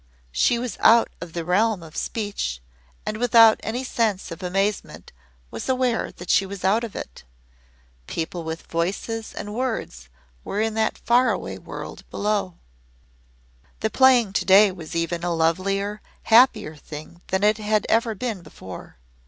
She was out of the realm of speech, and without any sense of amazement was aware that she was out of it. People with voices and words were in that faraway world below. The playing to day was even a lovelier, happier thing than it had ever been before.